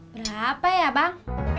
berapa ya bang